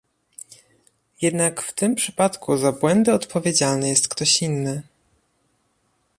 Jednak w tym przypadku za błędy odpowiedzialny jest ktoś inny